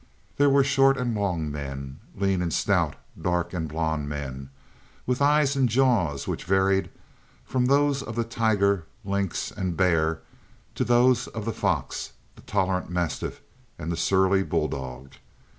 There were short and long men, lean and stout, dark and blond men, with eyes and jaws which varied from those of the tiger, lynx, and bear to those of the fox, the tolerant mastiff, and the surly bulldog.